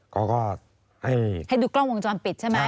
เขาก็ให้ดูกล้องวงจรปิดใช่ไหม